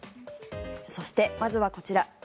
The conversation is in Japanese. そしてまずはこちら。